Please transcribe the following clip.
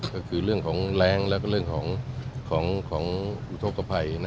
ก็คือเรื่องของแรงแล้วก็เรื่องของอุทธกภัย